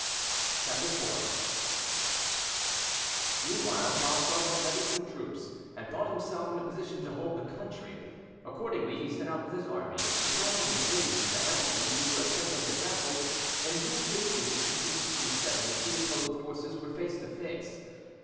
CHAPTER IV Meanwhile Bothwell had levied some troops, and thought himself in a position to hold the country: accordingly, he set out with his army, without even waiting for the Hamiltons, who were assembling their vassals, and June 15th, 1567, the two opposed forces were face to face.